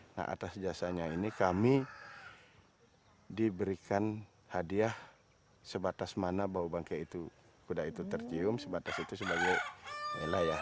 nah atas jasanya ini kami diberikan hadiah sebatas mana bahwa bangke itu kuda itu tercium sebatas itu sebagai wilayah